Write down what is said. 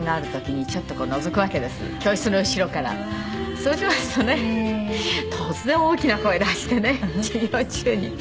そうしますとね突然大きな声出してね授業中に。